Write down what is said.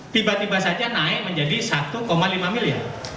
tiba tiba saja naik menjadi satu lima miliar